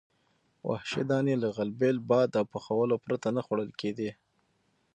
وحشي دانې له غلبیل، باد او پخولو پرته نه خوړل کېدې.